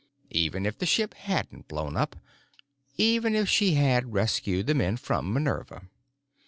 Even if the ship hadn't blown up. Even if she had rescued the men from "Minerva."